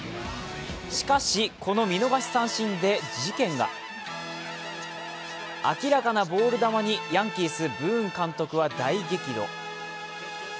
しかし、この見逃し三振線で事件が明らかなボール球に、ヤンキース・ブーン監督は大激怒。